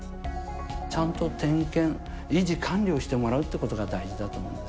ちゃんと点検、維持管理をしてもらうっていうことが大事だと思うんです。